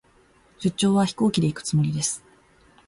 出張は、飛行機で行くつもりです。